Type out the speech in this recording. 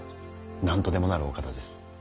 何とでもなるお方です。